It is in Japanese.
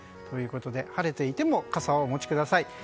ということで晴れていても傘をお持ちください。